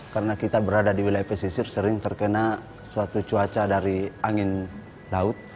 karena kita berada di wilayah pesisir sering terkena suatu cuaca dari angin laut